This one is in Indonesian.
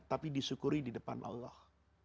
tapi disyukuri di depan allah